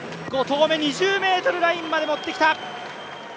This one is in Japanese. ５投目、２０ｍラインまで持ってきた。